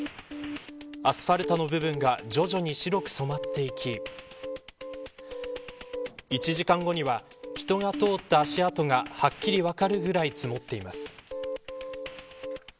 アスファルトの部分が徐々に白く染まっていき１時間後には人が通った足跡がはっきりと分かるくらい積もっています。